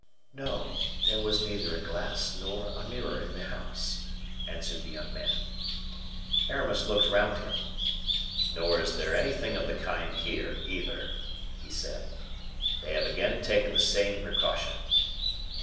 "No; there was neither a glass nor a mirror in the house," answered the young man. Aramis looked round him. "Nor is there anything of the kind here, either," he said; "they have again taken the same precaution."